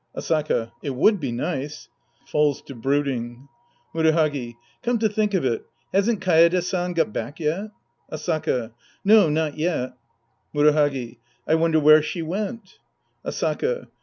Asaka. It would be nice. {Falls to brooding^ Murahagi. Come to think of it, hasn't Kaede San got back yet ? Asaka. No, not yet. Murahagi. I wonder where she went. Asaka.